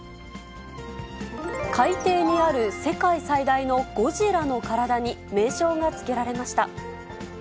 海底にある世界最大のゴジラの体に、名称が付けられました。